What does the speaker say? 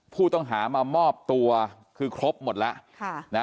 ผู้ต้องหามามอบตัวคือครบหมดแล้ว